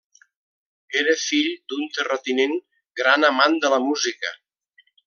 Era fill d'un terratinent, gran amant de la música.